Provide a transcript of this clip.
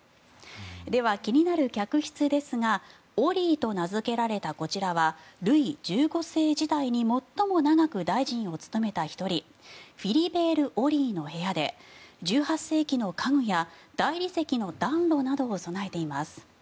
では、気になる客室ですがオリーと名付けられたこちらはルイ１５世時代に最も長く大臣を務めた１人フィリベール・オリーの部屋で１８世紀の家具や大理石の暖炉などを備えています。